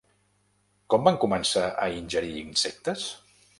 Com van començar a ingerir insectes?